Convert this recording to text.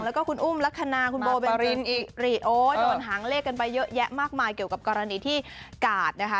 แล้วก็คุณอุ้มลักษณะคุณโบเบนอิริโอโดนหางเลขกันไปเยอะแยะมากมายเกี่ยวกับกรณีที่กาดนะคะ